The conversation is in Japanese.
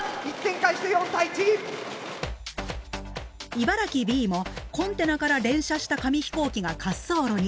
茨城Ｂもコンテナから連射した紙飛行機が滑走路に。